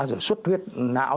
rồi suốt huyết não